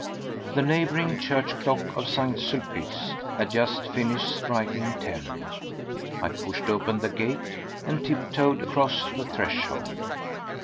The neighbouring church clock of St. Sulpice had just finished striking ten. I pushed open the gate and tip toed across the threshold.